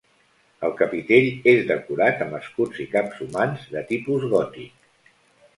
El capitell és decorat amb escuts i caps humans de tipus gòtic.